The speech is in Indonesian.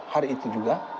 hari itu juga